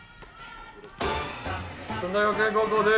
駿台学園高校です。